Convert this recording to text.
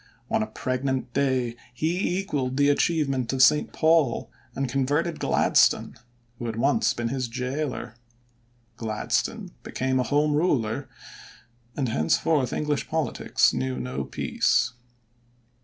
On a pregnant day he equaled the achievement of St. Paul and converted Gladstone, who had once been his gaoler. Gladstone became a Home Ruler, and henceforth English politics knew no peace.